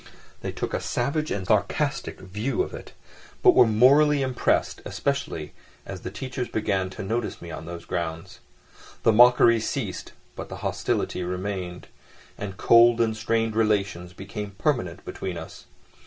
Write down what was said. They took a savage and sarcastic view of it, but were morally impressed, especially as the teachers began to notice me on those grounds. The mockery ceased, but the hostility remained, and cold and strained relations became permanent between us.